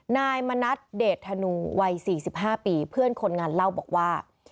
นายมณัฐเดชธนูวัย๔๕ปีเพื่อนคนงานเล่าบอกว่า